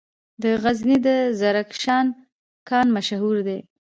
د غزني د زرکشان کان مشهور دی